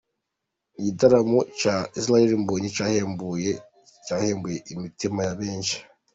Igitaramo cya Israel Mbonyi cyahembuye imitima ya benshi.